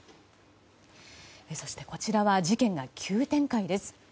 そして、こちらは事件が急展開です。